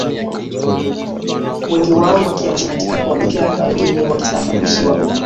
Wengi wao wakihamishiwa katika mikoa mipya na wengine wakistaafu utumishi wa umma